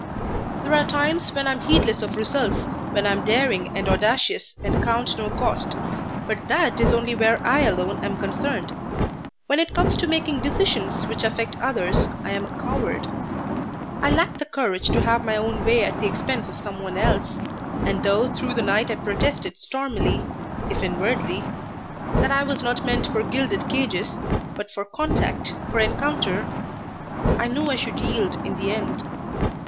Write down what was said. There are times when I am heedless of results, when I am daring and audacious and count no cost, but that is only where I alone am concerned. When it comes to making decisions which affect others I am a coward. I lack the courage to have my own way at the expense of some one else; and though through the night I protested stormily, if inwardly, that I was not meant for gilded cages, but for contact, for encounter, I knew I should yield in the end.